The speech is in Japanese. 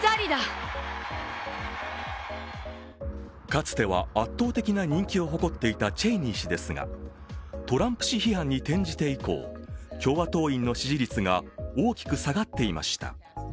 かつては圧倒的な人気を誇っていたチェイニー氏ですが、トランプ氏批判に転じて以降、共和党員の支持率が大きく下がっていました。